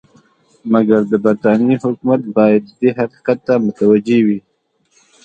مګر د برټانیې حکومت باید دې حقیقت ته متوجه وي.